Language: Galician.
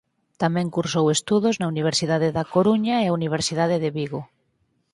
Tamén cursou estudos na Universidade da Coruña e a Universidade de Vigo.